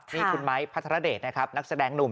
นี่คุณไม้พัทรเดชนะครับนักแสดงหนุ่ม